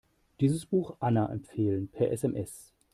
Dieses Buch Anna empfehlen, per SMS.